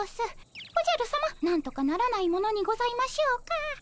おじゃるさまなんとかならないものにございましょうか。